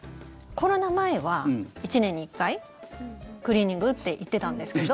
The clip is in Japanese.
コロナ前は１年に１回クリーニングって行っていたんですけど。